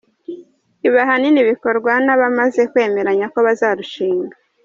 Ibi ahanini bikorwa n’abamaze kwemeranya ko bazarushinga.